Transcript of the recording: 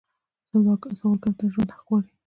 سوالګر د ژوند حق غواړي